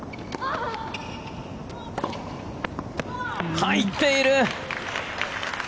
入っている！